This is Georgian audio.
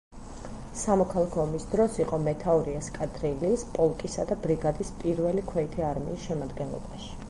სამოქალაქო ომის დროს, იყო მეთაური ესკადრილიის, პოლკისა და ბრიგადის პირველი ქვეითი არმიის შემადგენლობაში.